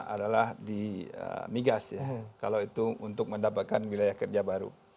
adalah di migas ya kalau itu untuk mendapatkan wilayah kerja baru